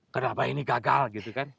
kenapa ini gagal gitu kan